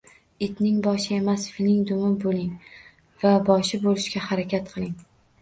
Itning boshi emas, filning dumi bo’ling va boshi bo’lishga harakat qiling